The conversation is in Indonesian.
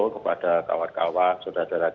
kepada kawan kawan saudara